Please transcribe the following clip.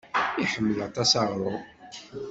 Iḥemmel aṭas aɣrum.